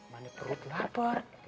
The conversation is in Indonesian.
mana perut lapar